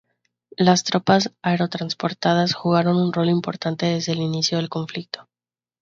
Las Tropas Aerotransportadas jugaron un rol importante desde el inicio del conflicto.